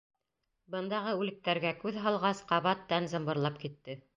Бындағы үлектәргә күҙ һалғас, ҡабат тән зымбырлап китте.